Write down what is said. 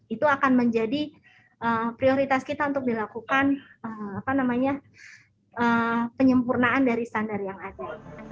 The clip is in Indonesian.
itu akan menjadi prioritas kita untuk dilakukan penyempurnaan dari standar yang ada